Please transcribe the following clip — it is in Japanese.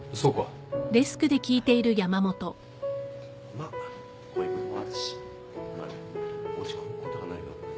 まあこういうこともあるし何落ち込むことはないよ。